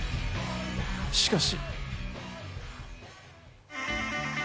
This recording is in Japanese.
しかし。